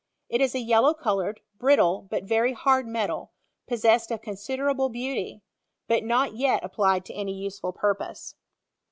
It is a yellow coloured, brittle, but very hard metal, possessed of considerable beauty; but not yet applied to any useful purpose.